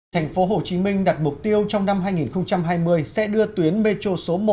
thành phố hồ chí minh đặt mục tiêu trong năm hai nghìn hai mươi sẽ đưa tuyến metro số một